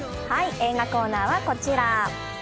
映画コーナーはこちら。